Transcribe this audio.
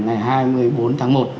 ngày hai mươi bốn tháng một